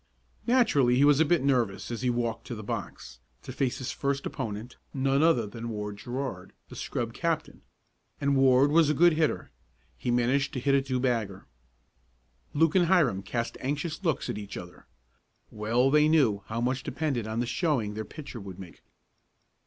Naturally he was a bit nervous as he walked to the box, to face his first opponent, none other than Ward Gerard, the scrub captain; and Ward was a good hitter. He managed to hit a two bagger. Luke and Hiram cast anxious looks at each other. Well they knew how much depended on the showing their pitcher would make.